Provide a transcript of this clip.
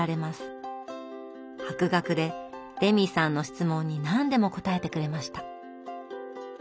博学でレミさんの質問に何でも答えてくれました。